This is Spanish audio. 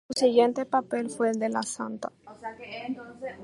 Su siguiente papel fue el de la Sta.